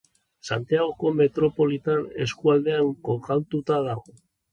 Santiagoko metropolitar eskualdean kokatuta dago.